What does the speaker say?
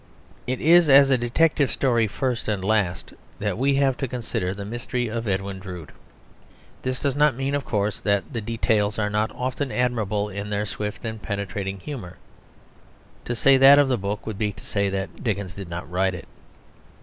It is as a detective story first and last that we have to consider The Mystery of Edwin Drood. This does not mean, of course, that the details are not often admirable in their swift and penetrating humour; to say that of the book would be to say that Dickens did not write it.